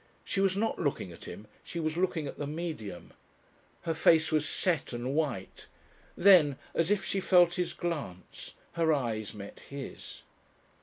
She was not looking at him, she was looking at the Medium. Her face was set and white. Then, as if she felt his glance, her eyes met his.